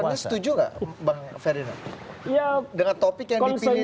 kursernya setuju gak bang ferdinand